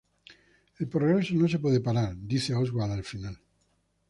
El progreso no se puede parar, dice Oswald al final.